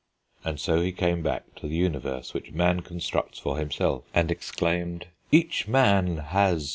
And so he came back to the universe which man constructs for himself, and exclaimed "Each man has